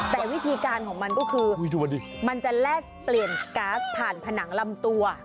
แต่วิธีการของมันก็คือมันจะแลกเปลี่ยนก๊าซผ่านผนังลำตัว